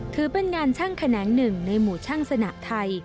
ถือเป็นงานช่างแขนงหนึ่งในหมู่ช่างสนะไทย